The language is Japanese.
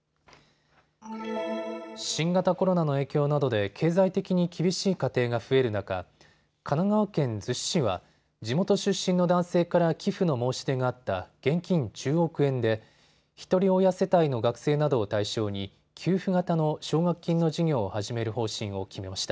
新型コロナの影響などで経済的に厳しい家庭が増える中、神奈川県逗子市は地元出身の男性から寄付の申し出があった現金１０億円でひとり親世帯の学生などを対象に給付型の奨学金の事業を始める方針を決めました。